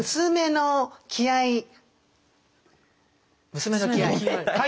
娘の気合い。